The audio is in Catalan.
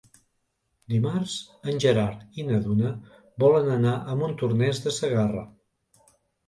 Dimarts en Gerard i na Duna volen anar a Montornès de Segarra.